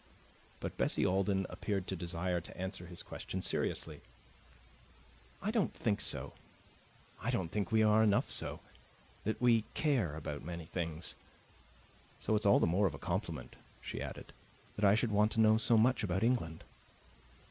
But Bessie Alden appeared to desire to answer his question seriously. "I don't think so I don't think we are enough so that we care about many things. So it's all the more of a compliment," she added, "that I should want to know so much about England."